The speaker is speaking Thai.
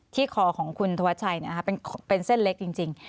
คอของคุณธวัชชัยเป็นเส้นเล็กจริง